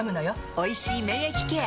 「おいしい免疫ケア」！